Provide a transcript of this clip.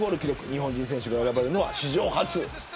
日本人選手が選ばれるのは史上初。